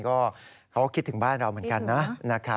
ก็เขาก็คิดถึงบ้านเราเหมือนกันนะครับ